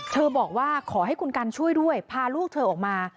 บอกว่าขอให้คุณกันช่วยด้วยพาลูกเธอออกมา